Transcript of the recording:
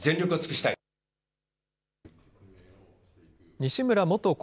西村元厚